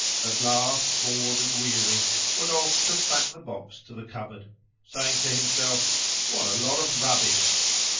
At last, bored and weary, Rodolphe took back the box to the cupboard, saying to himself, "What a lot of rubbish!"